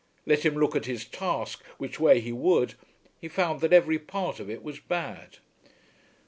Let him look at his task which way he would, he found that every part of it was bad.